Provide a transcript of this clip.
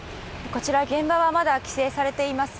こちら現場はまだ規制されています。